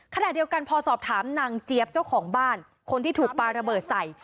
ขณะเดียวกันพอสอบถามนางเจี๊ยบเจ้าของบ้านคนที่ถูกปลาระเบิดใส่